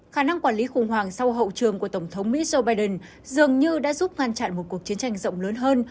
khả năng quản lý khủng hoảng sau hậu trường của tổng thống mỹ joe biden dường như đã giúp ngăn chặn một cuộc chiến tranh rộng lớn hơn